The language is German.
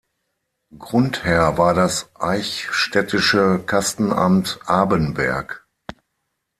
Grundherr war das eichstättische Kastenamt Abenberg.